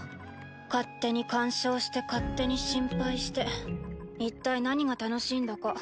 勝手に干渉して勝手に心配して一体何が楽しいんだか。